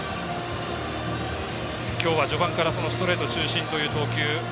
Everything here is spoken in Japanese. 今日は、序盤からストレート中心という投球。